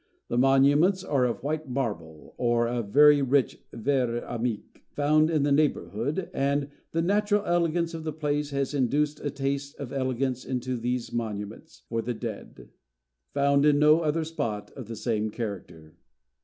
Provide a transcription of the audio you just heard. The monuments are of white marble, or of a very rich verd antique found in the neighbourhood; and the natural elegance of the place has induced a taste and elegance into these monuments for the dead, found in no other spot of the same character.